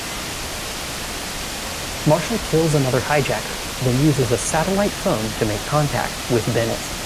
Marshall kills another hijacker, then uses a satellite phone to make contact with Bennett.